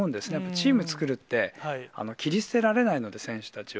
チーム作るって、切り捨てられないので、選手たちを。